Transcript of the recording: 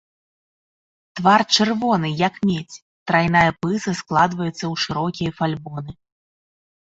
Твар чырвоны, як медзь, трайная пыса складваецца ў шырокія фальбоны.